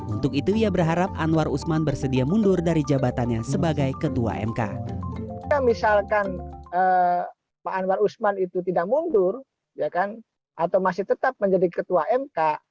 untuk itu ia berharap anwar usman bersedia mundur dari jabatannya sebagai ketua mk